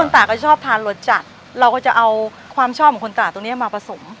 ถ้าทานรสจัดเราก็จะเอาความชอบของคนตราดตรงนี้มาผสม